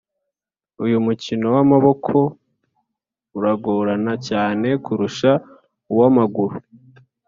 uyu mukino w'amaboko uragorana cyane kurusha uwamaguru